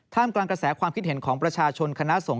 กลางกระแสความคิดเห็นของประชาชนคณะสงฆ